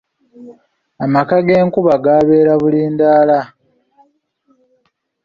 Amaka g’enkuba gabeera Bulindaala.